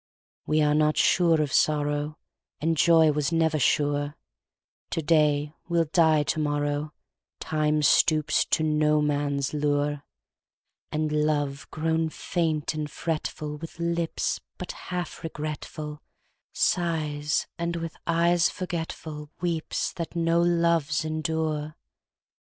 We are not sure of sorrow, And joy was never sure; To day will die to morrowTime stoops to no man's lure; And love, grown faint and fretfulWith lips but half regretfulSighs, and with eyes forgetfulWeeps that no loves endure.